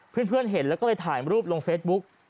เพื่อนเห็นแล้วก็เลยถ่ายรูปลงเฟซบุ๊ก